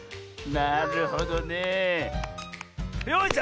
なるほどね。よし！